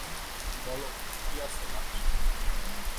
বলো, কী আছে বাক্সে?